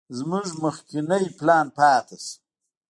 زموږ مخکينى پلان پاته سو.